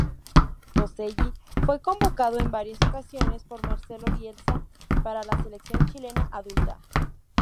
Toselli fue convocado en varias ocasiones por Marcelo Bielsa para la selección chilena adulta.